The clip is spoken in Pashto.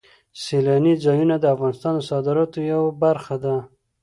سیلاني ځایونه د افغانستان د صادراتو یوه برخه ده.